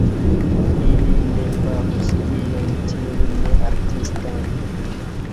Ili ne farus ion tiel ne-artistan.